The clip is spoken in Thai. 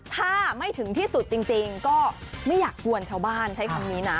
ถ้าไม่ถึงที่สุดจริงก็ไม่อยากกวนชาวบ้านใช้คำนี้นะ